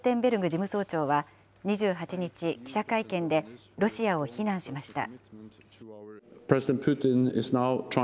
事務総長は、２８日、記者会見でロシアを非難しました。